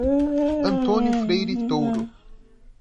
Antônio Freire Touro